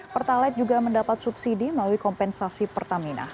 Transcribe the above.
pertalite juga mendapat subsidi melalui kompensasi pertamina